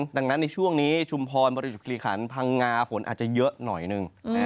ดังนั้นในช่วงนี้ชุมพรบริสุทธิขันพังงาฝนอาจจะเยอะหน่อยหนึ่ง